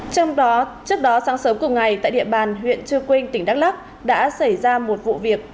trước đó sáng sớm cùng ngày tại địa bàn huyện cư quyên tỉnh đắk lắk đã xảy ra một vụ việc